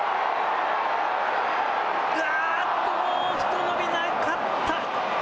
あっと、もうひとのびなかった。